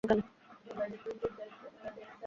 তাহলে নিয়ে আসছো না কেনো?